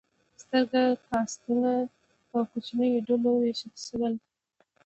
ستر کاستونه په کوچنیو ډلو وویشل شول.